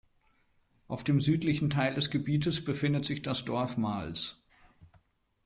Auf dem südlichen Teil des Gebietes befindet sich das Dorf Mals.